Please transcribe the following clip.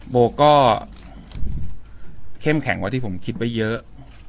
โบก็เข้มแข็งกว่าที่ผมคิดไว้เยอะ